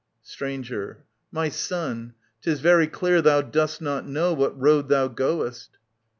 Stranger. My son, 'tis very clear thou dost not know What road thou goest.